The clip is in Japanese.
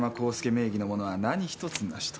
名義のものは何一つなしと。